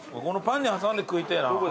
このパンに挟んで食いてぇな。